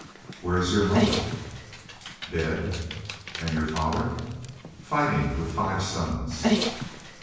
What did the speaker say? "Where is your mother?" "Dead." "And your father?" "Fighting, with five sons."